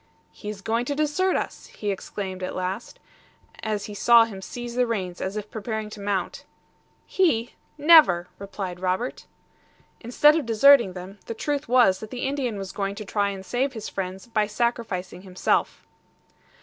"He is going to desert us," he exclaimed at last, as he saw him seize the reins, as if preparing to mount. "He! never!" replied Robert. Instead of deserting them, the truth was that the Indian was going to try and save his friends by sacrificing himself.